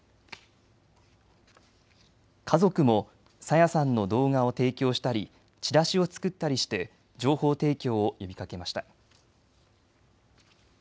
家族も朝芽さんの動画を提供したりチラシを作ったりして情報提供を呼びかけました。